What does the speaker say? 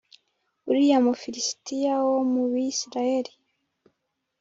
uriya mu filisitiya wo mubi Isirayeli